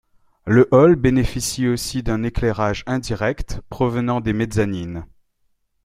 Le hall bénéficie aussi d'un éclairage indirect provenant des mezzanines.